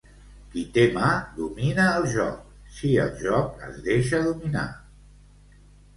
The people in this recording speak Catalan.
Qui té mà domina el joc, si el joc es deixa dominar.